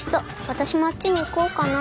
私もあっちに行こうかな。